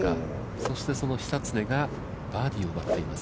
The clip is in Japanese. そして、その久常がバーディーを奪っています。